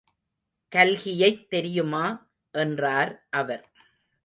கல்கியைத் தெரியுமா? என்றார் அவர்.